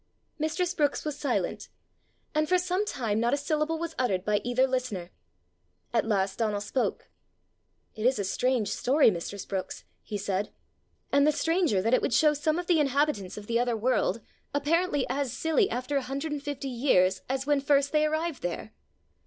Mistress Brookes was silent, and for some time not a syllable was uttered by either listener. At last Donal spoke. "It is a strange story, mistress Brookes," he said; "and the stranger that it would show some of the inhabitants of the other world apparently as silly after a hundred and fifty years as when first they arrived there."